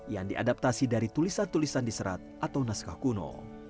yang diadaptasi dari tulisan tulisan diserat atau naskah kuno